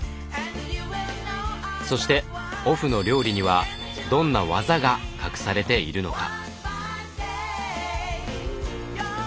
そしてオフの料理にはどんな技が隠されているのか？